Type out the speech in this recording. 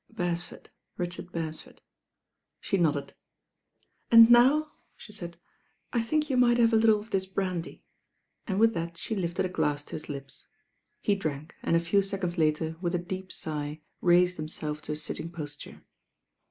"Beretford, Richard Beretford." She nodded. "And now," the taid, "I think you mig^t have a little of thit brandy," and with that the lifted a glass to his lips. He drank and a few tecondt later, with a deep tig^, raised himself to a sitting posture.